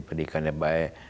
pendidikan yang baik